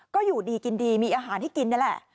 ก็อยู่ดีกินดีมีอาหารให้กินนี่แหละ